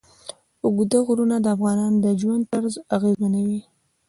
اوږده غرونه د افغانانو د ژوند طرز اغېزمنوي.